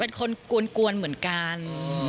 เป็นคนกวนเหมือนกัน